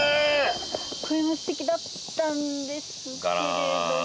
これも素敵だったんですけれども。